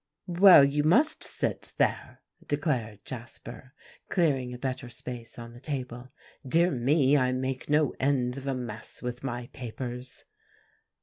"Well, you must sit there," declared Jasper, clearing a better space on the table. "Dear me, I make no end of a mess with my papers."